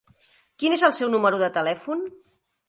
Quin és el seu número de telèfon?